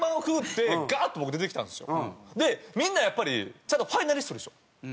でみんなやっぱりちゃんとファイナリストでしょ？